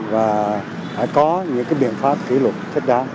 và phải có những biện pháp kỷ lục thất đáng